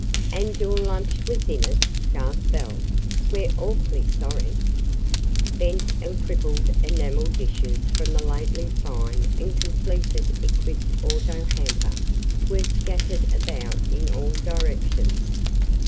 "And your lunch was in it?" gasped Belle. "We're awfully sorry!" Bent and crippled enameled dishes from the lately fine and completely equipped auto hamper were scattered about in all directions.